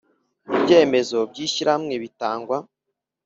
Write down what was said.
Ibyemezo by ishyirahamwe bitangwa